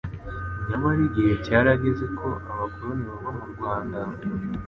Nyamara igihe cyarageze, ko abakoroni bava mu Rwanda,